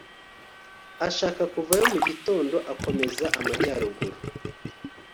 ashaka kuvayo mu gitondo akomeza amajyaruguru